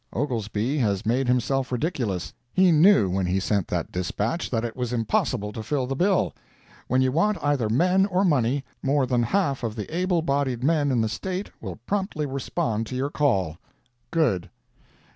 Oglesby has made himself ridiculous. He knew when he sent that dispatch that it was impossible to fill the bill. When you want either men or money, more than half of the able bodied men in the State will promptly respond to your call. Good!